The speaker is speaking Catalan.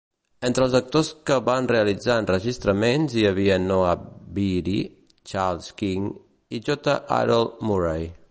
Entre els actors que van realitzar enregistraments hi havia Noah Beery, Charles King i J. Harold Murray.